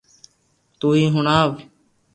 تو ھي ھڻاو